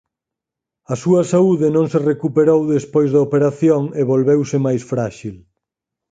A súa saúde non se recuperou despois da operación e volveuse máis fráxil.